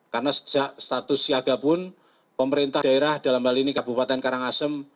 karena sejak status siaga pun pemerintah daerah dalam hal ini kabupaten karangasem